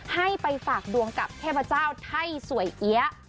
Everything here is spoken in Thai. ให้ไปฝากดวงกับเทพเจ้าไทยสวยเอี๊ยะ